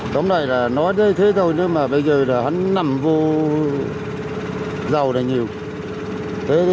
đóng này là nói thế thôi nhưng mà bây giờ là hắn nằm vô dầu này nhiều